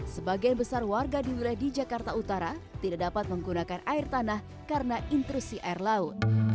sebagian besar warga di wilayah di jakarta utara tidak dapat menggunakan air tanah karena intrusi air laut